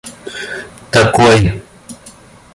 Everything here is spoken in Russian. такой